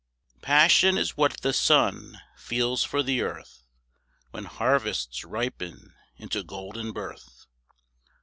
Passion is what the sun feels for the earth When harvests ripen into golden birth.